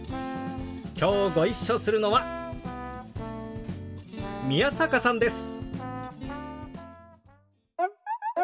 きょうご一緒するのは宮坂さんです。